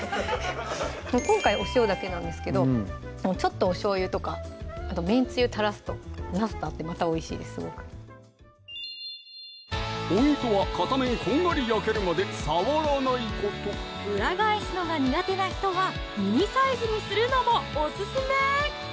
今回お塩だけなんですけどちょっとおしょうゆとかあとめんつゆ垂らすとなすと合ってまたおいしいですポイントは片面こんがり焼けるまで触らないこと裏返すのが苦手な人はミニサイズにするのもオススメ！